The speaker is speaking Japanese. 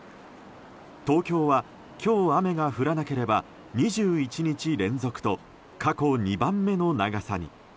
東京は今日雨が降らなければ２１日連続と過去２番目の長さに。